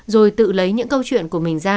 rồi tự lấy những câu chuyện của mình ra